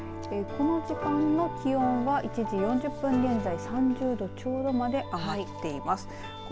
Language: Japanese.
この時間の気温は１時４０分現在３０度ちょうどまで上がっています。